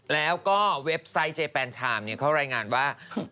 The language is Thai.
แล้วก็เว็บไซต์เจแปนชามเขารายงานว่า